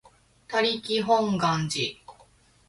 他力本願寺